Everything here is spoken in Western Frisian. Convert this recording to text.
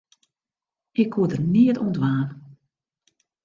Ik koe der neat oan dwaan.